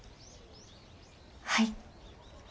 はい。